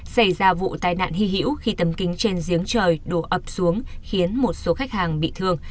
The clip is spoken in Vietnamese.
xảy ra vụ tai nạn hy hữu khi tấm kính trên giếng trời đổ ập xuống khiến một số khách hàng bị thương